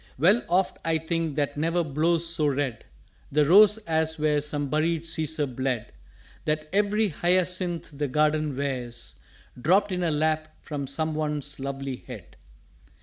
'" "_Well oft I think that never blows so red The Rose as where some buried Cæsar bled: That every Hyacinth the Garden wears Dropt in her lap from some once lovely Head.